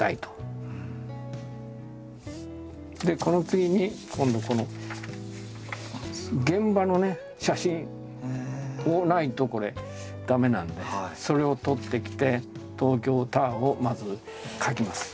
でこの次に今度この現場の写真をないと駄目なんでそれを撮ってきて東京タワーをまず描きます。